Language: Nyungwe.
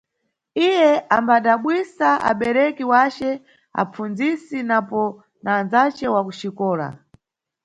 Iye ambadabwisa abereki wace, apfundzisi napo na andzace wa kuxikola.